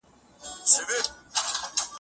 د سیلاو شړک